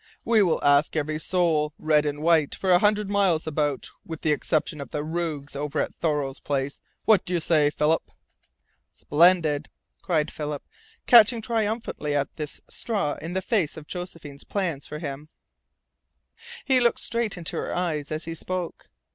"We will ask every soul red and white for a hundred miles about, with the exception of the rogues over at Thoreau's Place! What do you say, Philip?" "Splendid!" cried Philip, catching triumphantly at this straw in the face of Josephine's plans for him. He looked straight into her eyes as he spoke.